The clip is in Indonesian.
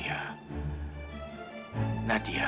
yang berlaut sangat pandang